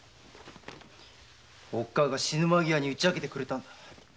おっかぁが死ぬ間際に打ち明けてくれた。